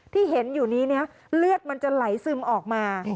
ที่เห็นอยู่นี้เลือดมันจะไหลซึมออกมา